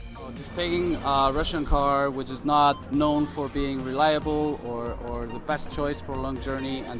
pilih mobil rusia yang tidak dikenal untuk berpengaruh atau pilihan terbaik untuk perjalanan yang panjang